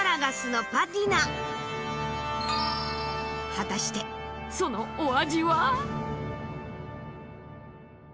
果たしてそのお味は？